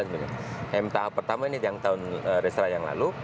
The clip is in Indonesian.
mef tahap pertama ini yang tahun re instra yang lalu